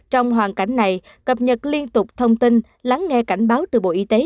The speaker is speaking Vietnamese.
trong hoàn cảnh này cập nhật liên tục thông tin lắng nghe cảnh báo từ bộ y tế